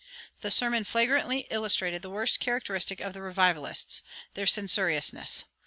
The sermon flagrantly illustrated the worst characteristic of the revivalists their censoriousness.